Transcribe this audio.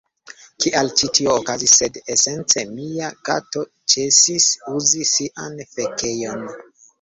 kial ĉi tio okazis, sed esence mia kato ĉesis uzi sian fekejon